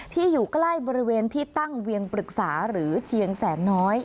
อยู่ใกล้บริเวณที่ตั้งเวียงปรึกษาหรือเชียงแสนน้อย